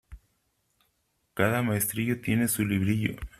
Cada maestrillo tiene su librillo.